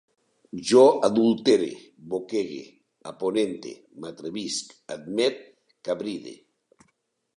Jo adultere, boquege, aponente, m'atrevisc, admet, cabride